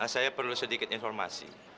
saya perlu sedikit informasi